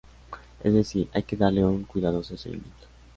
Es decir, hay que darle un cuidadoso seguimiento.